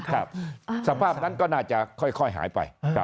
สภาพนั้นก็น่าจะค่อยหายไป